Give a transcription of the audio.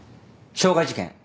傷害事件。